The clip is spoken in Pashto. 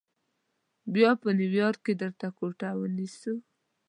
بیا به نیویارک کې درته کوټه ونیسو.